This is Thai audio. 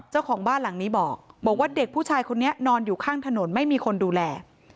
เจ้าของบ้านหลังนี้บอกว่าเด็กผู้ชายคนนี้นอนอยู่ข้างถนนไม่มีคนดูแล